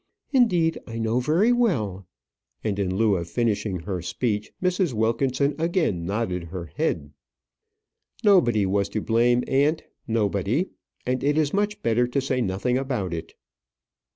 Indeed, I know very well " and in lieu of finishing her speech, Mrs. Wilkinson again nodded her head. "Nobody was to blame, aunt; nobody, and it is much better to say nothing about it."